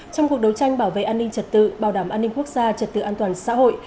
trong cuộc đấu tranh bảo vệ an ninh trật tự bảo đảm an ninh quốc gia trật tự an toàn xã hội